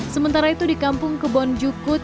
sementara itu di kampung kebonjukut